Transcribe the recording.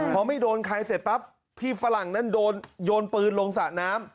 พอไม่โดนใครเสร็จปั๊บพี่ฝรั่งนั้นโดนโยนปืนลงสระน้ำ